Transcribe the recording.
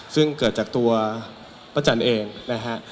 ซึ่งเกิดจากตัวป้าจันเองนะฮะ